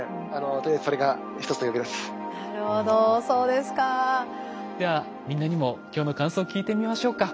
ではみんなにも今日の感想を聞いてみましょうか。